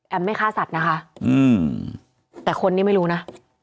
ไม่ฆ่าสัตว์นะคะแต่คนนี้ไม่รู้นะ